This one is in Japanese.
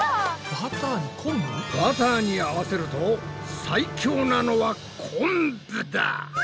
バターに合わせると最強なのはこんぶだ！